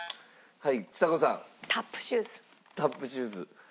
はい。